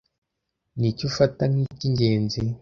ni iki ufata nkikingenzi?